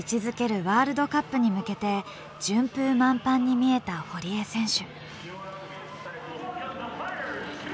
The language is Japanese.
ワールドカップに向けて順風満帆に見えた堀江選手。